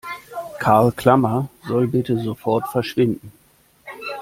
Karl Klammer soll bitte sofort verschwinden!